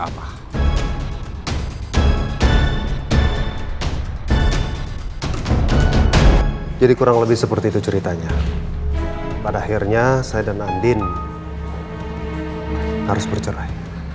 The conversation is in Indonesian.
apa jadi kurang lebih seperti itu ceritanya pada akhirnya saya dan andin harus bercerai